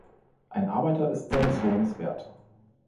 Ein Arbeiter ist seines Lohnes wert.